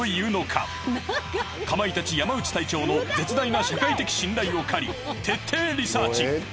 ［かまいたち山内隊長の絶大な社会的信頼を借り徹底リサーチ］